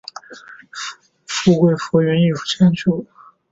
富贵浮云，艺术千秋